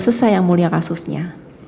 selesai yang mulia kasusnya